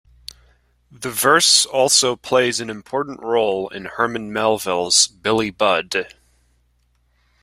The verse also plays an important role in Herman Melville's "Billy Budd".